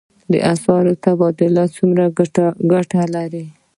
د اسعارو تبادله څومره ګټه لري؟